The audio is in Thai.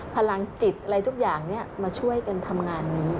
พลังจิตอะไรทุกอย่างมาช่วยกันทำงานนี้